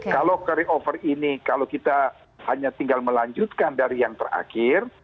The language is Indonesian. kalau carry over ini kalau kita hanya tinggal melanjutkan dari yang terakhir